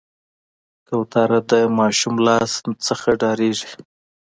کوتره د ماشوم لاس نه ډارېږي.